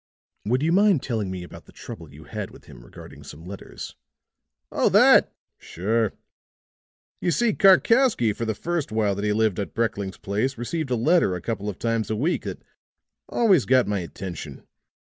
"Would you mind telling me about the trouble you had with him regarding some letters?" "Oh, that! Sure. You see, Karkowsky for the first while that he lived at Brekling's place received a letter a couple of times a week that always got my attention.